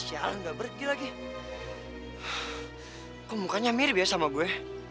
hai hai hai ah jalan nggak pergi lagi ke mukanya mirip ya sama gue